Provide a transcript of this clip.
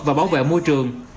và bảo vệ môi trường